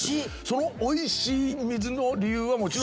そのおいしい水の理由はもちろん。